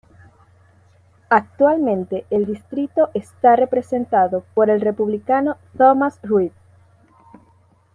Actualmente el distrito está representado por el Republicano Thomas Reed.